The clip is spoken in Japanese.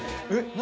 何？